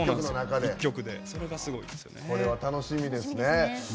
これは楽しみですね。